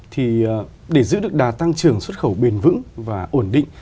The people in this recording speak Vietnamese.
thì để giữ được đà tăng trưởng xuất khẩu bền vững và ổn định